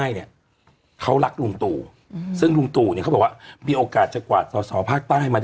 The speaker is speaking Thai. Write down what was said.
หืมหืมหืม